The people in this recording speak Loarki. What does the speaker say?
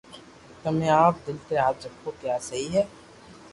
تمي آپ دل تي ھاٿ رکو ڪو آ سھي ھي